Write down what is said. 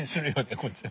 こっちは。